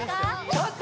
ちょっと！